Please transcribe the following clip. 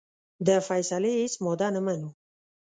د فیصلې هیڅ ماده نه منو.